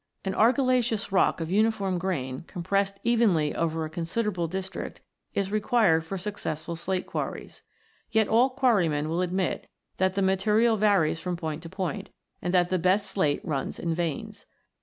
An argillaceous rock of uniform grain, compressed evenly over a considerable district, is required for successful slate quarries. Yet all quarrymen will admit that the material varies from point to point, and that the best slate runs in "veins.'